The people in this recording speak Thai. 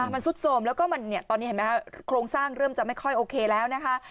มันซุดโสมแล้วก็ตอนนี้เห็นไหมครับโครงสร้างเริ่มจะไม่ค่อยโอเคแล้วนะคะ